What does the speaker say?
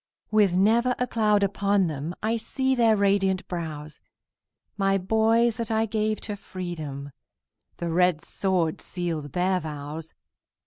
With never a cloud upon them, I see their radiant brows; My boys that I gave to freedom, The red sword sealed their vows!